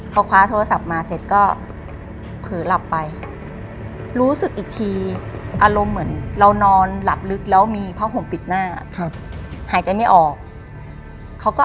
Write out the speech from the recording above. พอคว้าโทรศัพท์มาเสร็จก็